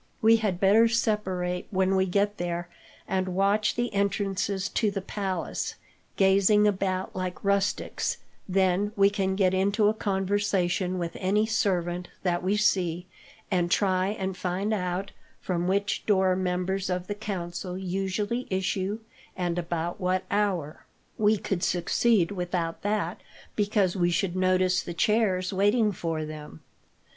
We had better separate when we get there, and watch the entrances to the palace, gazing about like rustics; then we can get into a conversation with any servant that we see, and try and find out from which door members of the council usually issue, and at about what hour. We could succeed without that, because we should notice the chairs waiting for them.